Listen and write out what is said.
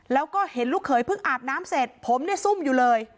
แล้วก็เห็นลูกเขยเพิ่งอาบน้ำเสร็จผมเนี่ยซุ่มอยู่เลย